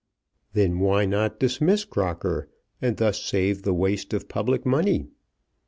Then why not dismiss Crocker, and thus save the waste of public money?